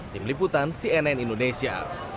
tim liputan cnn indonesia